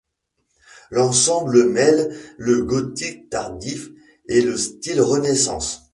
L’ensemble mêle le gothique tardif et le style Renaissance.